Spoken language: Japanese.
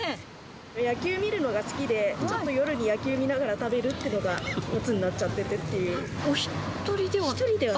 野球見るのが好きで、ちょっと夜に野球見ながら食べるっていうのがおつになっちゃってお１人では？